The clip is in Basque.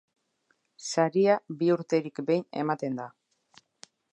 Saria bi urterik behin ematen da.